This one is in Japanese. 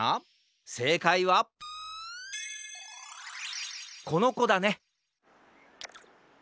せいかいはこのこだね！